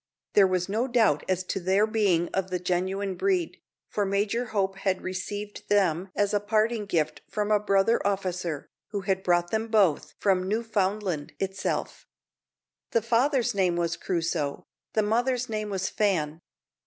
There was no doubt as to their being of the genuine breed, for Major Hope had received them as a parting gift from a brother officer, who had brought them both from Newfoundland itself. The father's name was Crusoe, the mother's name was Fan.